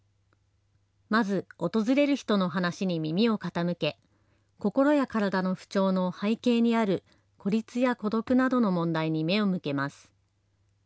まず訪れる人の話に耳を傾け、心や体の不調の背景にある孤立や孤独などの問題に目を向けます。